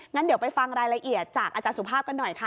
งั้นเดี๋ยวไปฟังรายละเอียดจากอาจารย์สุภาพกันหน่อยค่ะ